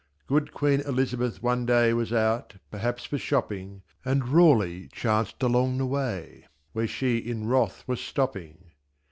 Good Queen Elizabeth one day Was out (perhaps for shopping), And Raleigh chanced along the way Where she in wrath was stopping.